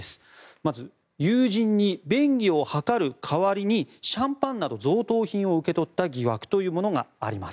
まず、友人に便宜を図る代わりにシャンパンなど贈答品を受け取った疑惑というものがあります。